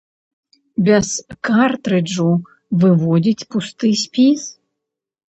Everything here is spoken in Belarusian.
Без картрыджу выводзіць пусты спіс.